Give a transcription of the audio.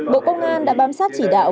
bộ công an đã bám sát chỉ đạo